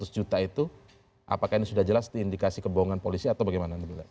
seratus juta itu apakah ini sudah jelas diindikasi kebohongan polisi atau bagaimana